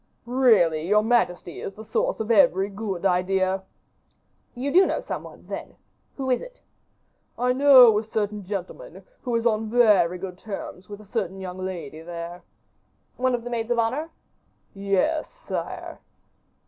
"Really, your majesty is the source of every good idea." "You do know some one, then. Who is it?" "I know a certain gentleman, who is on very good terms with a certain young lady there." "One of the maids of honor?" "Yes, sire."